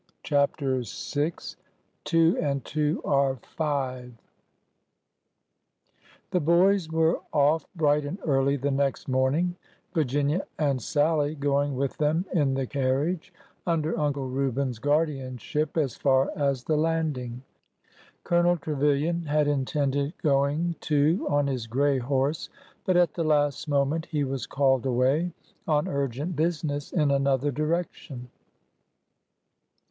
CHAPTER VI TWO AND TWO ARE FIVE HE boys were off bright and early the next morning i —Virginia and Sallie going with them in the car riage, under Uncle Reuben's guardianship, as far as the landing. Colonel Trevilian had intended going too on his gray horse, but at the last moment he was called away on ur gent business in another direction.